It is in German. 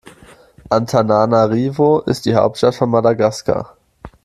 Antananarivo ist die Hauptstadt von Madagaskar.